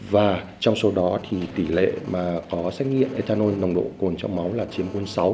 và trong số đó thì tỷ lệ mà có xét nghiệm ethanol nồng độ cồn trong máu là chiếm quân sáu